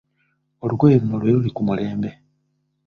Olugoye luno lwe luli ku mulembe.